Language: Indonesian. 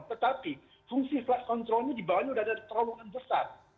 tetapi fungsi flat controlnya di bawahnya sudah terowongan besar